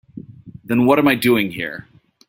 Then what am I doing here?